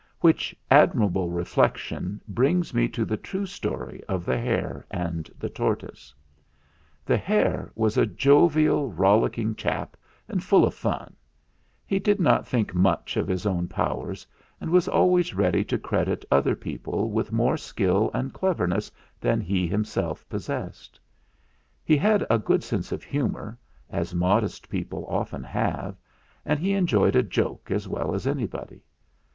"Which admirable reflection brings me to the true story of the Hare and the Tortoise. "The hare was a jovial, rollicking chap, and full of fun. He did not think much of his own powers, and was always ready to credit other people with more skill and cleverness than he himself possessed. He had a good sense of humour, as modest people often have, and he enjoyed a joke as well as anybody.